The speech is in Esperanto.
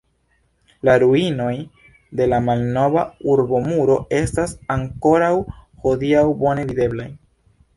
La ruinoj de la malnova urbomuro estas ankoraŭ hodiaŭ bone videblaj.